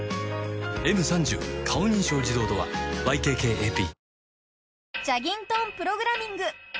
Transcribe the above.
「Ｍ３０ 顔認証自動ドア」ＹＫＫＡＰ